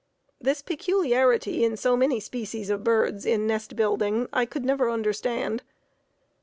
This peculiarity in so many species of birds in nest building I could never understand.